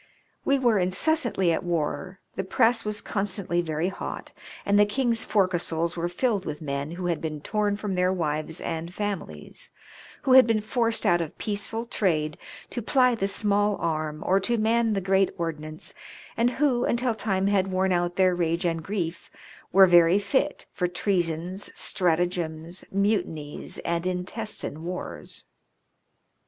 We were incessantly at war; the press was constantly very hot, and the King's fore castles were filled with men who had been torn from their wives and families, who had been forced out of peaceful trade to ply the small arm or to man the great 118 MAEINE PVNISEMENTS, ordnance, and who, until time had worn out their rage and grief, were very fit for treasons, stratagems, mu tinies, and intestine wars.